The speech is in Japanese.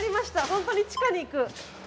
本当に地下に行く。